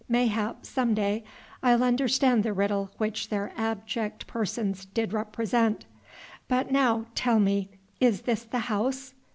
Mayhap some day I'll understand the riddle which their abject persons did represent. But now tell me, is this the house?"